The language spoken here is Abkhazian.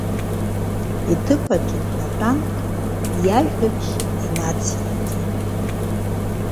Иҭыԥаҿ днатәан, иажәабжь инациҵеит.